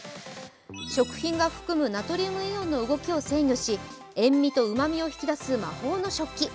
食品が含むナトリウムイオンの動きを制御し塩味とうまみを引き出す魔法の食器。